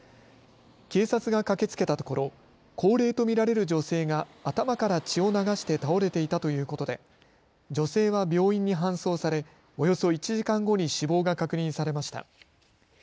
警察が駆けつけたところ高齢と見られる女性が頭から血を流して倒れていたということで女性は病院に搬送されおよそ１時間後に死亡が確認されました。